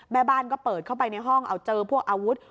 แม่บ้านก็เปิดเข้าไปในห้องเอาเจอพวกอาวุธ